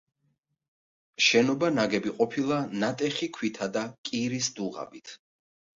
შენობა ნაგები ყოფილა ნატეხი ქვითა და კირის დუღაბით.